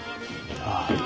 ああ。